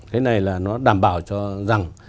cái này là nó đảm bảo cho rằng